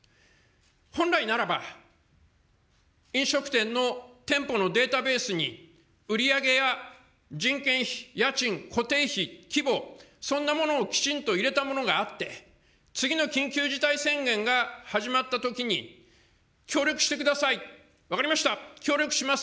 本来ならば、飲食店の店舗のデータベースに、売り上げや人件費、家賃、固定費、規模、そんなものをきちんと入れたものがあって、次の緊急事態宣言が始まったときに、協力してください、分かりました、協力します。